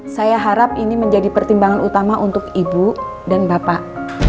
saya harap ini menjadi pertimbangan utama untuk ibu dan bapak